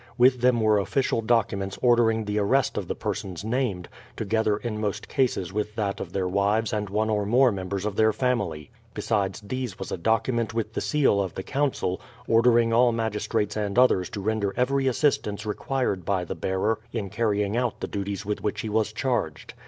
With them were official documents ordering the arrest of the persons named, together in most cases with that of their wives and one or more members of their family. Besides these was a document with the seal of the Council, ordering all magistrates and others to render every assistance required by the bearer in carrying out the duties with which he was charged.